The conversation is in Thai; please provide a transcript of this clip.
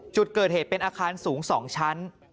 จุดเกิดเหตุเป็นอาคารสูง๒ชั้น